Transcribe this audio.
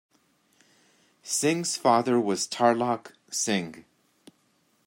Singh's father was Tarlok Singh.